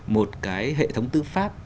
một cái hệ thống tư pháp